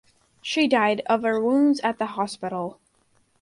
She died of her wounds at the hospital.